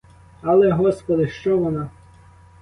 Але, господи, що — вона??